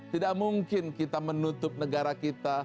tidak mungkin kita menutup negara kita